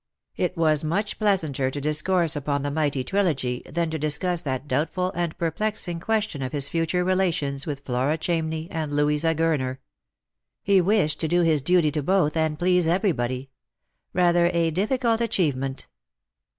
It was much pleasanter to discourse upon the mighty trilogy than to discuss that doubtful and perplexing question of his future relations with Flora Chamney and Louisa Gurner. He wished to do his duty to both, and please everybody. Rather a difficult achievement.